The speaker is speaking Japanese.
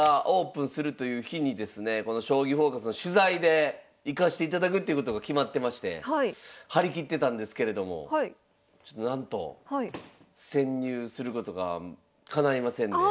この「将棋フォーカス」の取材で行かしていただくっていうことが決まってまして張り切ってたんですけれどもちょっとなんと潜入することがかないませんで。